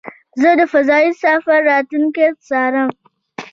زه د فضایي سفر راتلونکی څارم.